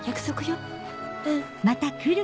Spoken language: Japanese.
うん。